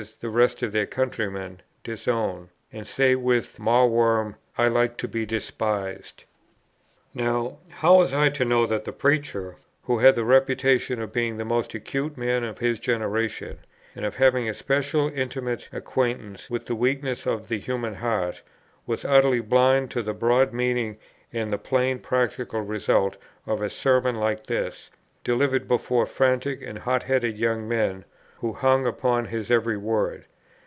the rest of their countrymen) disown, and say with Mawworm, 'I like to be despised.' "Now, how was I to know that the preacher, who had the reputation of being the most acute man of his generation, and of having a specially intimate acquaintance with the weaknesses of the human heart, was utterly blind to the broad meaning and the plain practical result of a Sermon like this, delivered before fanatic and hot headed young men, who hung upon his every word?